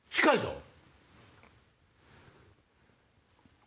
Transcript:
近いぞ。